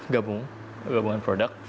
gabung gabungan produk